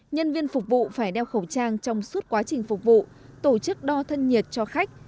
nhân viên phục vụ phải đeo khẩu trang trong suốt quá trình phục vụ tổ chức đo thân nhiệt cho khách